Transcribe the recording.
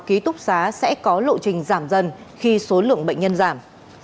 ký túc xá sẽ có lộ trình giảm dần khi số lượng bệnh nhân giảm